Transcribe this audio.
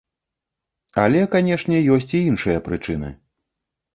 Але, канешне, ёсць і іншыя прычыны.